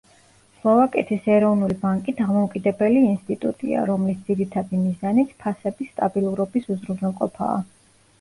სლოვაკეთის ეროვნული ბანკი დამოუკიდებელი ინსტიტუტია, რომლის ძირითადი მიზანიც ფასების სტაბილურობის უზრუნველყოფაა.